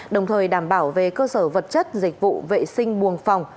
đồng thời đảm bảo về cơ sở vật chất dịch vụ vệ sinh buồng phòng